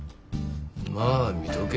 まあ見とけ。